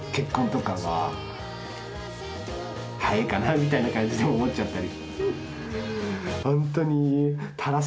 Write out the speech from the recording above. みたいな感じで思っちゃったり。